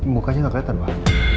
mukanya enggak kelihatan pak